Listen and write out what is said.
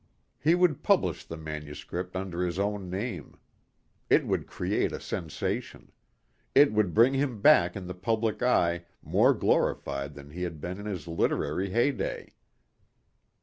He would publish the manuscript under his own name. It would create a sensation. It would bring him back in the public eye more glorified than he had been in his literary heyday.